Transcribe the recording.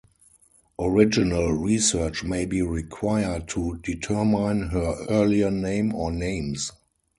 Original research may be required to determine her earlier name or names.